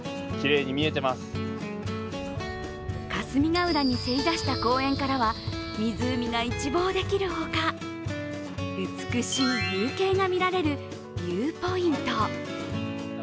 霞ヶ浦にせり出した公園からは、湖が一望できるほか美しい夕景が見られるビューポイント。